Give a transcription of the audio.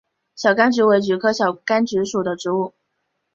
小甘菊为菊科小甘菊属的植物。